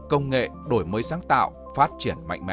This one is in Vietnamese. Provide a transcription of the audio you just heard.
công nghệ đổi mới sáng tạo phát triển mạnh mẽ